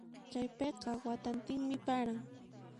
Chaypiqa watantinmi paran.